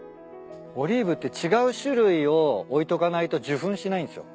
オリーブって違う種類を置いとかないと受粉しないんすよ。